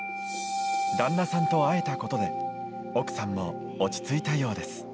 旦那さんと会えたことで奥さんも落ち着いたようです。